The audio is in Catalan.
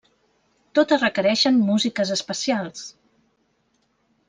Totes requereixen músiques especials.